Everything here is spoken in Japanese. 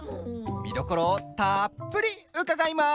見どころをたっぷり伺います。